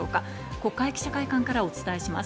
国会記者会館から伝えてもらいます。